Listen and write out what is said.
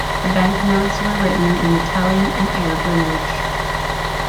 The banknotes were written in Italian and Arab language.